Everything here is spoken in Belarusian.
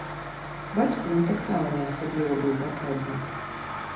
Бацьку ён таксама не асабліва быў патрэбны.